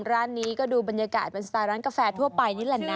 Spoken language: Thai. ร้านนี้ก็ดูบรรยากาศเป็นสไตล์ร้านกาแฟทั่วไปนี่แหละนะ